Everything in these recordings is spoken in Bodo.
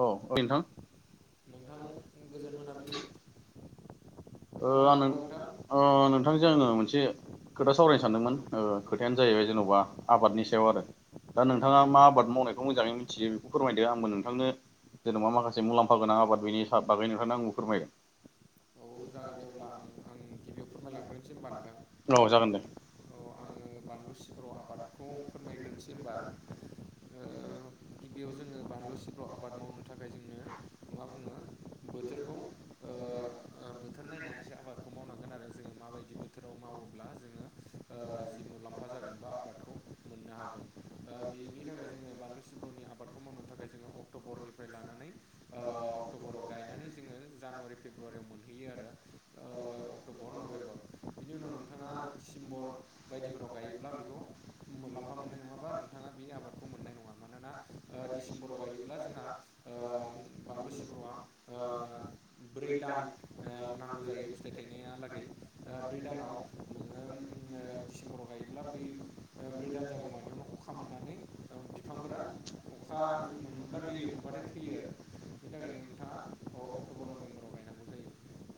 औ नोंथां नोंथां गोजोन मोनाबिलि। ओ मा आं खौरां नोंथां? नोंथांजों आङो मोनसे खोथा सावरायनो सानदोंमोन ओ खोथ यानो जाहैबाय जेन'बा आबादनि सायाव आरो दा नोंथाङा मा आबाद मावनायखौ मोजाङै मिथियो बेखौ फोरमायदो आंबो नोंथांनो जेनेबा माखासे मुलाम्फा गोनां आबाद बेनि स बागैनिखायनो आं फोरमायदों औ जागोन दे अब्ला आं आं गिबियाव फोरमायलांग्रोसै होनबा नोंथां औ जागोन दे। औ आङो बानलु सिब्र आबादखौ फोरमायग्रोनोसै होनबा। ओ गिबियाव जोङो बानलु सिब्र' आबाद मावनो थाखाय जोंनो मा बुङो? बोथोरखौ ओ बोथोर नायनानैसो आबादखौ मावनांगोन आर जोङो माबायदि बोथोराव मावोब्ला जोङो जि मुलाम्फा जागोन बा आबादखौ मोननो हा हागोन ओ बेनि थाखाय जोङो बानलु सिब्रनि आबादखौ मावनो थाखाय जोङो अक्ट'बरनिफ्राय लानानै ओ अक्ट'बराव गायनानै जोङो जानुवारि फेब्रुवारियाव मोन यो आरो अक्ट'बर नभेम्बर बिनि उनाव नोंथाङा डसेम्बर बायदिफोर गायोब्ला बेखौ मुलाम्फा मोननाय नङाबा नोंथाङा बे आबादखौ मोननाय नङा मानोना डिसेम्बराव गायोब्ला जोंहा ओ बारलु सिब्रआ ओ ब्रै दान ओ नांगौ जायो फिथाइ थाइनायालागै ब्रै दानाव ओ ओ डिसेम्बराव गायोब्ला बै ब्रै दान जागौ मानियावनो अखा मोननानै बिफांफोरा अखा मोनोब्ला दै लोम नुबाथाय थैयो आरो बिनि थाखायनो नोंथाङा अक्ट'बर नभेम्बराव गायनांगौ जायो।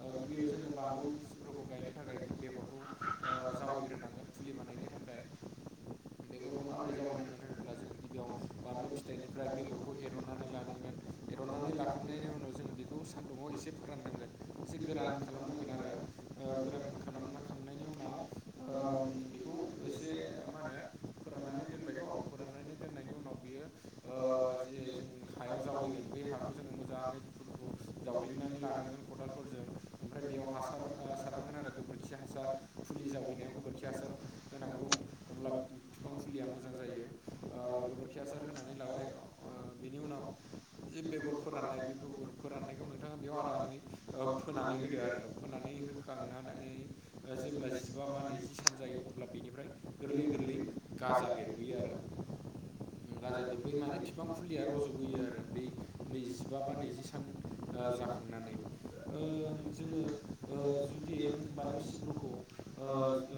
ओ गिबियाव जोङो बानलु सिब्रुखौ गायनो थाखाय बेगरखौ जावैग्रोनांगोन फुलि बानायनो थाखाय। बेगरखौ माबोरै जावैनांगोन होनोब्ला जों गिबियाव बानलु फिथाइनिफ्राय बेगरखौ एरनानै लानांगोन। एर'नानै लाखांनायनि उनाव जों बेखौ सान्दुंआव एसे फोराननांगोन। एसे गोरान खालामनांगोन आरो गोरान खालामखांनायनि उनाव ओ बेखौ एसे मा होनो फोराननानै दोनबायथ' फोराननानै दोननायनि उनाव बियो ओ जि जे जों हायाव जावैगोन बे हाखौ जों मोजाङै दुफु दुफु जावग्लिंनानै लानांगोन। खदालफोरजों ओमफ्राय बेयाव हासार सारनांगोन आरो गोबोरखि हासार फुलि जावैनायाव गोबोरखि हासार होनांगौ अब्ला बिफां फुलिया मोजां जायो ओ गोबोरखि हासार होनानै लाबाय बिनि उनाव जे बेगर फोराननाय बे बेगर फोराननायखौ नोंथाङा बेयाव आरामै ओ फोनानै होदो आरो फोनानै होखांनानै जेब्ला जिबा बा नैजि सान जायो। अब्ला बिनिफ्राय गोरलै गोरलै गाजा बेरबोयो आरो। गाजा बेरबोयो माने बिफां फुलिया रज लुबैयो आरो बै नैजिबा बा नैजि सान जाखांनानै ओ [unintelligible] जोङो ओ जुदि बानलु सिब्रुखौ ओ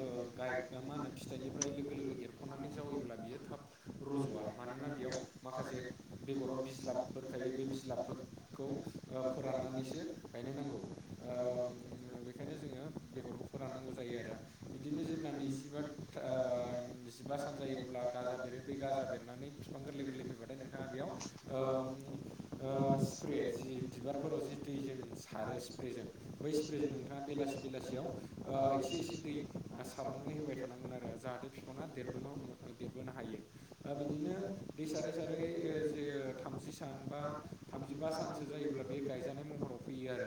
ओ गाय मा होनो फिथाइनिफ्राय लोगो लोगो एरख'नानै जावैब्ला बियो थाब रज' मानोना बेयाव माखासे बेगराव बिज्लाबफोर थायो बै बिज्लाबफोरखौ फोराननानैसो गायनो नांगौ ओ बेखायनो जोङो बेगरखौ फोराननांगौ जायो आरो बिदिनो जेब्ला नैजिबा ओ जिबा सान जायो अब्ला गाजा बेरो बे गाजा बेरनानै बिफां गोरलै गोरलै फैबाथाय नोंथाङा बेयाव ओ ओ स्प्रे जि बिबारफोराव दै जों सारो स्प्रे जजों बै स्प्रे जजों नोंथाङा बेलासे बेलासियाव ओ एसे एसे दै सारनानै होबाय थानांगोन आरो जाहाथे बिफाङा देरबोन देरबोनो हायो। दा बिदिनो दै सारै सारै जे- थामजि सान बा थामजिबा सानसो जायोब्ला बे गायजानाय महराव फैयो आरो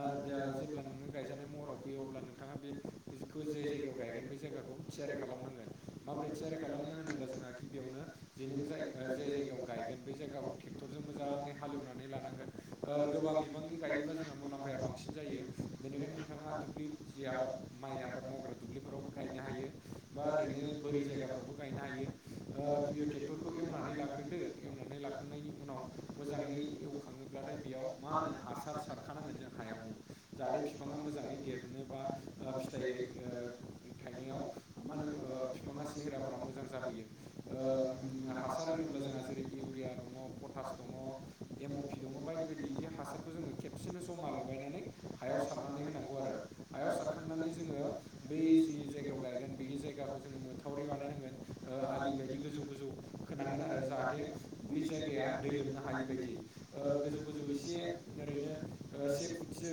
ओ जा-जेब्ला नोङो गायजानाय महराव फैयो अब्ला नोंथाङा बे बेखौ जे जायगायाव गायगोन बे जायगाखौ थियारि खालामनांगोन। माबोरै थियारि खालामनो होनोब्ला जोंहा गिबियावनो जे नों जाय गा जाय जायगायाव गायगोन बे जायगाखौ ट्रेक्टरजों मोजाङै हाल एवनानै लानांगोन ओ गोबां बिबांनि गायोब्ला जोंहा मुलाम्फाया बांसिन जायो। बेनिखायनो नोंथाङा दुब्लि जि आबाद माइ आबाद मावग्रा दुब्लिफोरावबो गायनो हायो बा ओरैनो बोरि जायगाफ्रावबो गायनो हायो ओ थिय'-ट्रेक्ट'रखौ एवनानै लाग्रोदो एवनानै लाखांनायनि उनाव मोजाङै एवखाङोब्लाथाय बेयाव मा होनो हासार सारखानांगोन जों हायावनो जाहाथे बिफाङा मोजाङै देरनोबा ओ फिथाइयै ओ थाइनायाव मा होनो ओ बिफाङा सेहेराफोरा मोजां जाबोयो ओ जोंहा हासार होनोब्ला जोंहा जेरै इउरिया दङ' पटास दङ' एम अ पि दङ' बायदि बायदि बि हासार [inaudible] खेबसेनो जमा लगायनानै हायाव सारनानै होनांगौ आरो हायाव सारखांनानै जोङो बै जि जायगायाव गायगोन बिदि जायगाखौ जोङो मोथावरि बानायनांगोन ओ आलि बायदि गोजौ गोजौ खोनांगोन आ रो जाहाथे बे जायगाया दै लोमनो हायि बायदि ओ गोजौ गोजौ एसे ओरैनो ओ से फुटसो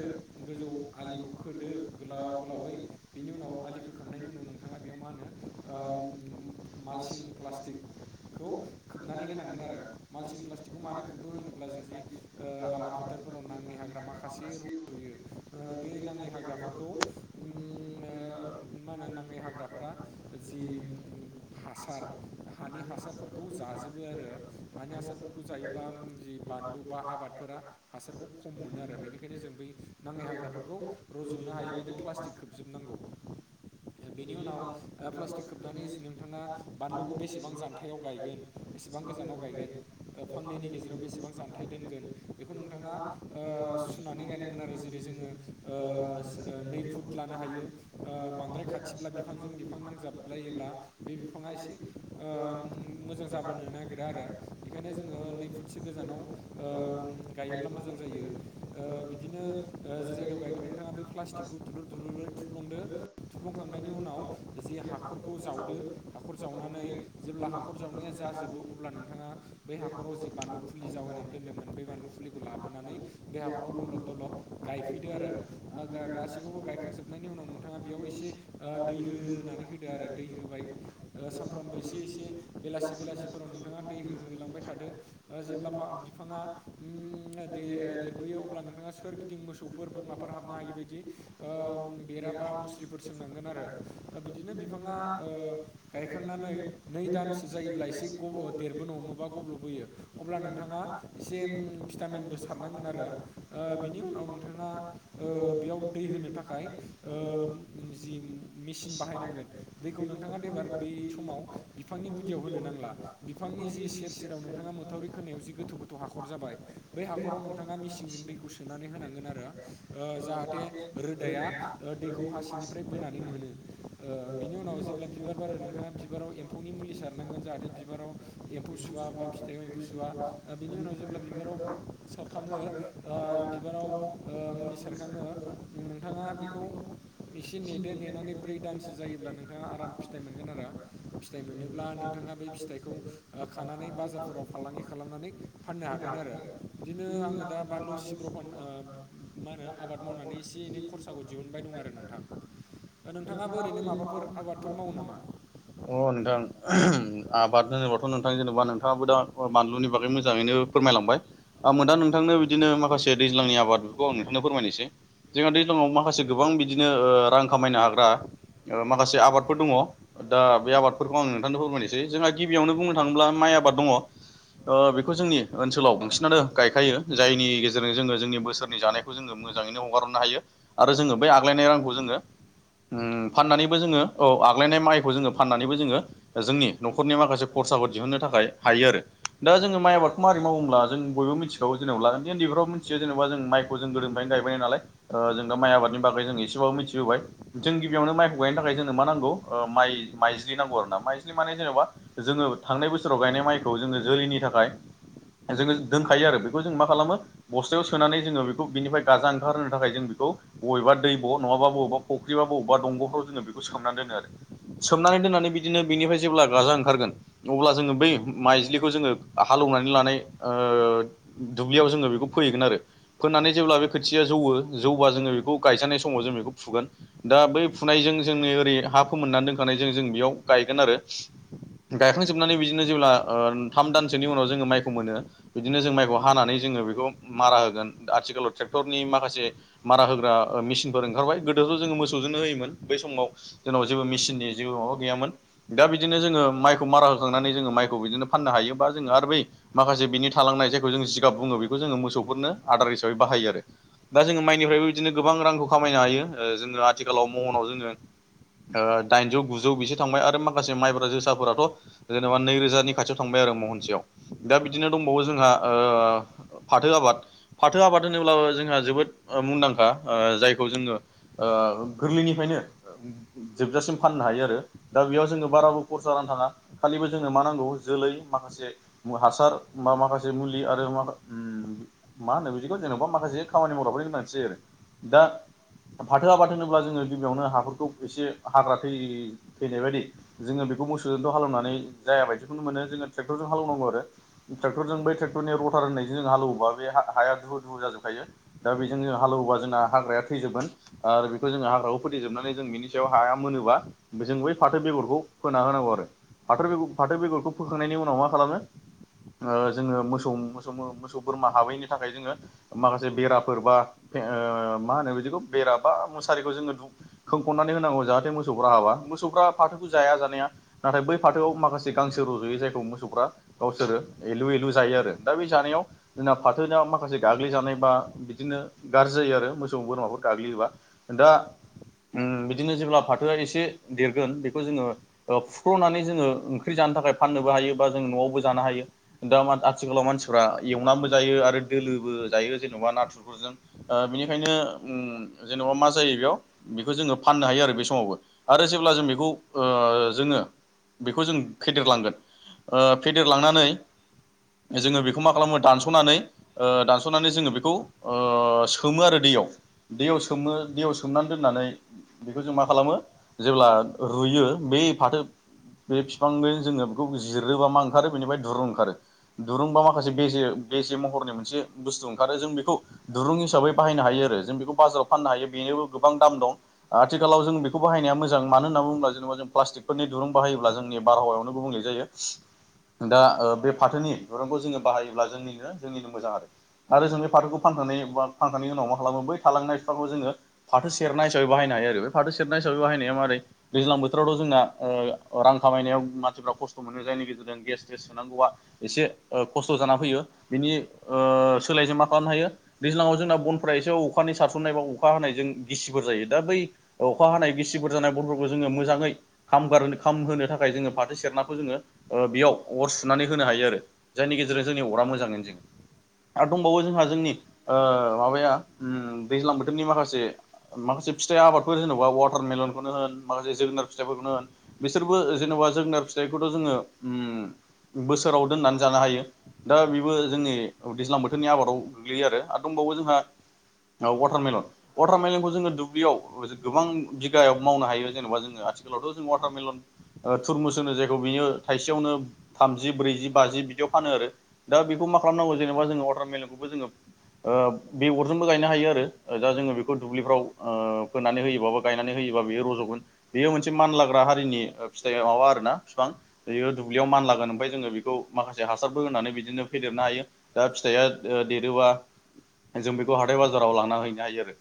गोजौ आलिखौ खोदो गोलाव गोलावै बि नि उनाव आलि खोखांनायनि उनाव नोंथाङा बेयाव मा होनो ओम मालसिं प्लास्टिक खौ खोबनानै होनांगोन आरो मानसिं प्लाष्टिकखौ मानो खोबो होनोब्ला जों जे आबाद फोथारफोराव नाङै हाग्रा माखासे रज'यो ओ बे नाङै हाग्राफोरखौ उम ओ मा होनो नाङै हाग्राफोरा जि हासार हानि हासारफोरखौ जाजोबो आरो हानि हासारफोरखौ जायोब्ला जि बानलु बा आबादफोरा हासारखौ खम मोनो आरो बेनिखायनो जों बै नाङै हाग्राफोरखौ रज'नो हायै बायदि प्लास्टिक खोबजोबनांगौ। बेनि उनाव ओ प्लास्टिक खोबनानै नोंथाङा बानलुखौ बेसेबां जान्थाइआव गायगोन बेसे बां गोजानाव गायगोन ओ फांनैनि गेजेराव बेसेबां जानथाय दोनगोन बेखौ नोंथाङा ओ सुनानै गायनांगोन आरो जेरै जोङो ओ नै फुट लानो हायो। ओ बांद्राय खाथिब्ला बिफांजों बिफां नांजाबलायोब्ला बे बिफाङा एसे ओ मोजां जाबोनो नागिरा आरो बेखायनो जोङो नै फुटसो गोजानाव ओम गायोब्ला मोजां जायो ओ बिदिनो ओ जि जायगायाव गायगोन नोंथाङा बे प्लास्टिकखौ दुलुर दुलुरै थुफ्लुंदो थुफ्लुंखांनायनि उनाव जे हाखरखौ जावदो हाखर जावनानै जे ला हाखर जावनाया जाजोबो अब्ला नोंथाङा बे हाखराव जि बानलु फुलि जावायैनानै दोनदोंमोन बे बानलु फुलि खौ लाबोनानै बे हाखराव दलब दलब गायफैदो आरो आ दा गासिखौबो गायखांजोबनायनि उनाव नोंथाङा बेयाव एसे ओ दै होनानै होदो आरो दै होबाय सामफ्रामबो एसे एसे बेलासि बेलासिफोराव नोंथाङा दै होहो होलांबाय थादो ओ जेब्ला फा-बिफाङा उम उम दे-ए-देरबोयो अब्ला नोंथाङा सोरगिदिं मोसौफोर बोरमाफोर हाबनो हायि बायदि ओम बेरा बा मुस्रिफोर सोंनांगोन आरो बिदिनो बिफाङा ओ गायखांनानै नै दानसो जायोब्ला एसे ग'-देरबोनो हमोबा गब्ल'बोयो अब्ला नोंथाङा एसे [unintelligible] भिटामिनबो सारनांगोन आरो बिनि उनाव नोंथाङा ओ बेयाव दै होनो थाखाय ओ जि मेसिन बाहायनांगोन दैखौ नोंथाङा देबार बे समाव बिफांनि गुदियाव होनो नांला बिफांनि जि सेर सेराव नोंथाङा मोथावरि खोनायाव जि गोथौ गोथौ हाखर जाबाय बै हाखराव नोंथाङा मेसिंजों दैखौ सोनानै होनांगोन आरो ओ जाहाथे रोदाया दैखौ हासिंनिफ्राय बोनानै मोनो ओ बिनि उनाव जेब्ला बिबार बारो नोंथाङा बिबाराव एम्फौनि मु लि सारनांगोन जाहाथे बिबाराव एम्फौ सुआ बा फिथाइयाव एम्फौआ सुआ ओ [unintelligible] सारखाङो ओ बिबाराव ओ मुलि सारखाङो नोंथाङा बेखौ एसे नेदो नेनानै ब्रै दानसो जायोब्ला नोंथाङा आराम फिथाइ मोनगोन आरो। फिथाइ मोनोब्ला नोंथाङा बेै फिथाइखौ ओ खानानै बाजारफोराव फालांगि खालामनानै फाननो हागोन आरो। बिदिनो आङो दा बानलु सिब्र फान आ मा होनो आबाद मावनानै एसे एनै खरसाखौ दिहुनबाय दं आरो। नोंथां नोंथाङाबो ओरैनो माबाफोर आबादफोर मावो नामा? होनोबाथ' नोंथां जेनबा नोंथांआबो दा ओ बानलुनि बागै मोजाङैनो फोरमायलांबाय आंबो दा नोंथांनो बिदिनो माखासे दैज्लांनि आबाद बेफोरखौ आं नोंथांनो फोरमायनोसै। जोंहा दैज्लांङाव माखासे गोबां बिदिनो ओ रां खामायनो हाग्रा ओ माखासे आबादफोर दङ दा बे आबादफोरखौ आं नोंथांनो फोरमायनोसै जोंहा गिबियावनो बुंनो थाङोब्ला माइ माइ आबाद दङ। ओ बेखौ जोंनि ओनसोलाव बांसिनानो गायखायो जायनि गेजेरजों जोङो जोंनि बोसोरनि जानायखौ जोङो मोजां यैनो हगारहरनो हायो आरो जोङो बै आग्लायनाय रांखौ जोङो उम फाननानैबो जोङो औ आग्लायनाय माइखौ जोङो फाननानैबो जोङो जोंनि न'खरनि माखासे खरसाखौ दिहुननो थाखाय हायो आरो। दा जोङो माइ आबादखौ मारै मावो होनब्ला जों बयबो मिथिखागौ जेनेब्ला उन्दै उन्दैफ्राबो मिथियो जेनेबा जों माइखौ जों गोदोनिफ्रायनो गायो। नालाय ओ जों दा माइ आबादनि बागै जों एसेबो मिथिबोबाय जों गिबियावनो माइखौ गायनो थाखाय जोंनो मा नांगौ ओ माइ माइज्लि नांगौ आरो ना माइज्लि माने जेनेबा जोङो थांनाय बोसोराव गायनाय माइखौ जोङो जोलैनि थाखाय जोङो दोनखायो आरो बेखौ जों मा खालामो बस्थायाव सोनानै जोङो बेखौ बिनिफ्राय गाजा ओंखारहोनो थाखाय जों बे खौ बबेबा दैब' नङाबा बबेबा फख्रिबा बबेबा दंग'फ्राव जोङो बेखौ सोमनानै दोनो आरो। सोमनानै दोननानै बिदिनो बेनिफ्राय जेब्ला गाजा ओंखारगोन अब्ला जोङो बै माइज्लि खौ जोङो हालौनानै लानाय ओ दुब्लियाव जोङो बेखौ फोहैगोन आरो फोनानै जेब्ला बे खोथिया जौवो जौबा जोङो बेखौ गायजानाय समाव जों बेखौ फुगोन दा बै फुनायजों जोंनि ओरै हा फोमोननानै दोनखानायजों जों बेयाव गायगोन आरो गायखांजोबनानै बिदिनो जेब्ला ओ थाम दानसोनि उनाव जोङो माइखौ मोनो बिदिनो जों माइखौ हानानै जोङो बेखौ मारा होगोन आथिखालाव ट्रेक टरनि माखासे मारा होग्रा ओ मेसिनफोर ओंखारबाय गोदोथ' जोङो मोसौजोंनो होयोमोन बै समाव जों नाव जेबो मेसिननि जेबो माबा गैयामोन दा बिदिनो जोङो माइखौ मारा होखांनानै जोङो माइखौ बिदिनो फाननो हायोबा जोङो आरो बै माखासे बिनि थालांनाय जायखौ जों जिगाब बुङो बेखौ जोङो मोसौफोरनो आदार हिसाबै बा हायो आरो। दा जोङो माइनिफ्रायबो बिदिनो गोबां रांखौ खामायनो हायो ओ जोङो आथिखालाव महनाव जोङो ओ दाइनजौ गुजौ बिसो थांबाय आरो माखासे माइब्रा जोसाफोराथ' जेनेबा नै रोजानि खाथियाव थांबाय आरो महनसेयाव। दा बिदिनो दंबावो जोंहा ओ फाथो आबाद फाथो आबाद होनोब्लाबो जोंहा जोबोद ओ मुंदांखा ओ जायखौ जोङो ओ गोरलैनिफ्रायनो जोबजासिम फाननो हा हायो आरो दा बेयाव जोङो बाराबो खरसा रां थाङा खालिबो जोंनो मा नांगौ जोलै माखासे मु हासार बा माखासे मुलि आरो मा ओम मा होनो बिदिखौ जेनेबा माखासे खामानि मावग्राफोरनि गोनांथि जायो आरो दा फाथो आबाद होनोब्ला जोङो गिबियावनो हाफोरखौ एसे हाग्रा थै-थैनाय बायदि जोङो बे बेखौ मोसौजोंथ' हालेवनानै जायाबायदि। बेखौनो मोनो जोङो ट्रेक्टरजों हालौनांगौ आरो ट्रेक्टरजों बै ट्रेक्टरनि रटार होननायजों जों हालौवोबा बे हा-हाया दुहु दुहु जाजोबखायो दा बेजों जों हालौवोबा जोंना हाग्राया थैजोबगोन आरो बेखौ जोङो हाग्राखौ फोथैजोबनो नानै जों बेनि सायाव हाया मोनोबा बे जों बै फाथो बेगरखौ फोना होनांगौ आरो फाथो बेगर फाथो बेगरखौ फोखांनायनि उनाव मा खालामो ओ जोङो मोसौ मोसौ मोसौ बोरमा हाबैनि थाखाय जोङो माखासे बेराफोर बा फे ओ मा होनो बिदिखौ बेराबा मुसारिखौ जोङो दु खोंखननानै होनांगौ जाहाथे मोसौफ्रा हाबा। मोसौफ्रा फाथोखौ जाया जानाया नाथाय बै फाथोआव माखासे गांसो रज'यो जायखौ मोसौफ्रा गावसोरो एलु एलु जायो आरो दा बे जानायाव जोंना फाथोनाव माखासे गाग्लिजानाय बा बिदिनो गाज्रि जायो आरो मोसौ बोरमाफोर गाग्लियोबा दा उम बिदिनो जेब्ला फाथोआ एसे देरगोन बेखौ जोङो ओ फुख्लनानै जोङो ओं ओंख्रि जानो थाखाय फाननोबो हायो बा जों न'आवबो जानो हायो दा मान आथिखालाव मानसिफ्रा एवनानबो जायो आरो दोलोबो जायो जेन'बा नाथुरफोरजों ओ बेनिखायनो उम जेन'बा मा जायो बेयाव बेखौ जोङो फाननो हायो आरो बे समावबो आरो जेब्ला जों बेखौ ओ जोङो बेखौ जों फेदेरलांगोन ओ फेदेरलांनानै जोङो बेखौ मा खालामो दानसनानै ओ दानसनानै जोङो बेखौ ओ सोमो आरो दै याव दैयाव सोमो दैयाव सोमना दोनानै बेखौ जों मा खालामो जेब्ला रुय बियो बे फाथो बे बिफांनो जोङो बेखौ जिरोबा मा ओंखारो बेनिफ्राय दुरुं ओंखारो दुरुंबा माखासे बेेजे बेेजे मह रनि मोनसे बुस्थु ओंखारो जों बेखौ दुरुं हिसाबै बाहायनो हायो आरो जों बेखौ बाजाराव फाननो हायो बेनिबो गोबां दाम दं आथिलाव जों बे बाहानाया मोजां मानो होनना बुङोब्ला जेनेबा जों प्लास्टिकफोरनि दुरुं बायोब्ला जों जोंनि बारहावायावनो गुबुंले जायो। दा ओ बे फाथोनि दुरुंखौ जोङो बाहायोब्ला जोंनिनो जोंनिनो मोजां आरो। आरो जों बे फाथोखौ फानखांनायनि बा फानखांनायनि उनाव मा खालामो बै थालांनाय बिफांखौ जोङो फाथो सेरनाय हिसाबै बाहायना हायो आरो बे फाथो सेरनाय हिसाबै बाहायनाय मारै दैज्लां बोथोरावथ' जोंना ओ रां खामायनायाव मानसिफ्रा खस्थ मोनो जायनि गेजेरजों गेस थेस सोनांगौआ एसे ओ खस्थ जाना फैयो बिनि ओ सोलायजों मा खालामनो हायो दैज्लांआव जोंना बनफोरा एसे अखानि सारसननाय बा अखा हानायजों गिसिफोर जायो दा बै अखा हानाय गिसिफोर जानाय बरफोरखौ जोङो मोजाङै खाम गारहोनो खामहोनो था खाय जोङो फाथो सेरनाखौ जोङो बेयाव अर सुनानै होनो हायो आरो जायनि गेजेरजों जोंनि अरा मोजाङैनो जोङो। आरो दंबावो जोंहा जोंनि ओ माबाया उम्म दैज्लां बोथोरनि माखासे माखा से फिथाइ आबादफोर जेनेबा वाटारमेलनखौनो होन माखासे जोगोनार फिथाइफोरखौनो होन बिसोरबो जेनेबा जोगोनार फिथाइखौथ जोङो उम्म बोसोराव दोननानै जानो हायो दा बेबो जोंनि दैज्लां बोथोरनि आबादाव गोग्लैयो आरो दं बावो जोंहा अवाटारमेलन अवाटारमेलनखौ जोङो दुब्लियाव गोबां बिगायाव मावनो हायो जेनेबा जोङो आथिखालावथ जों वाटारमेलन थुरमुस होनो जायखौ बियो थाइसेयावनो थामजि ब्रैजि बाजि बिदियाव फानो आरो दा बेखौ मा खालामनांगौ जेनबा जोङो वाटारमेलेनखौबो जोङो ओ बेगरजोंबो गायनो हायो आरो दा जोङो बेखौ दुब्लिफ्राव फोनानै होयोबाबा गायनानै होयो। बा बेयो रजगोन बेयो मोनसे मानलाग्रा हारिनि फिथाइ माबा आरोना बिफां बियो दुब्लियाव मानलागोन ओमफ्राय जोङो बेखौ माखासे हासारबो होनानै बिदिनो फेदेर नो हायो दा फिथाइआ दे-देरोबा जों बेखौ हाथाय बाजाराव लांना हैनो हायो आरो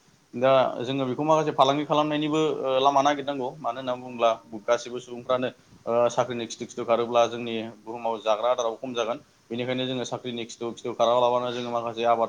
दा जोङो बेखौ माखासे फालांगि खालामनायनिबो ओ लामा नागिरनांगौ मानो होनना बुङोब्ला गासिबो सुबुं फ्रानो ओ साख्रिनि खिथु खिथु खारोब्ला जोंनि बुहुमाव जाग्रा आदाराव खम जागोन बेनिखायनो जोङो सा ख्रिनि खिथु खिथु खारालाबानो जोङो माखासे आबाद